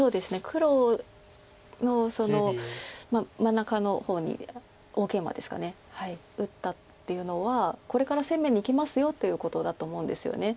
黒の真ん中の方に大ゲイマですか打ったっていうのはこれから攻めにいきますよということだと思うんですよね。